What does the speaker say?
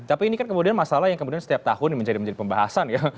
tapi ini kan kemudian masalah yang kemudian setiap tahun menjadi pembahasan ya